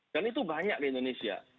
dan itu banyak di indonesia